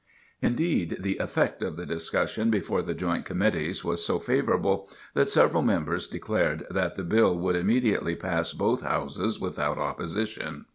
Indeed, the effect of the discussion before the joint committees was so favorable, that several members declared that the bill would immediately pass both Houses without opposition.